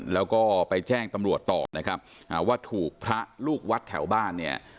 แล้วก็ไปแจ้งตำรวจต่อว่าถูกพระลูกวัฏแถวบ้าน